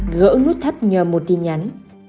gỡ nút thắt nhờ một tin nhắn